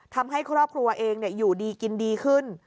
ทำให้ครอบครัวเองอยู่ดีกินดีขึ้น